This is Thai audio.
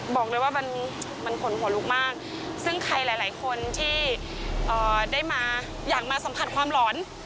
บอกเลยว่ามันขนหัวลุกมากซึ่งใครหลายคนที่ได้มาอยากมาสัมผัสความหลอน